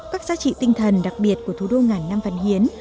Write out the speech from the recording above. các giá trị tinh thần đặc biệt của thủ đô ngàn năm văn hiến